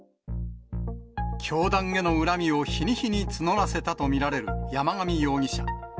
教団への恨みを日に日に募らせたと見られる山上容疑者。